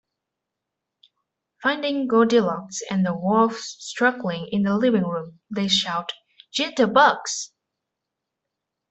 Finding Goldilocks and the wolf struggling in the living room, they shout "Jitterbugs!